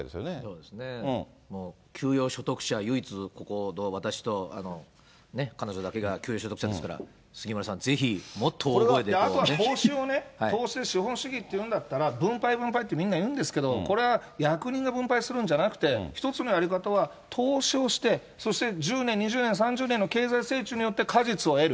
そうですね、もう給与所得者唯一、ここ、私と彼女だけが給与所得者ですから、杉村さん、ぜひもっと大声であとは投資をね、政治って分配分配ってみんないうんですけど、これは役人が分配するんじゃなくて、一つのやり方は投資をしてそして１０年、２０年、３０年の経済成長によって果実を得る。